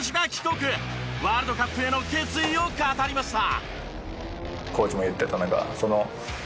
ワールドカップへの決意を語りました。